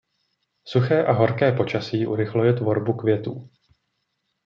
Suché a horké počasí urychluje tvorbu květů.